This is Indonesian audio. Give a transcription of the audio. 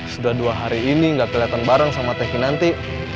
sudah dua hari ini gak keliatan bareng sama teh kit nanti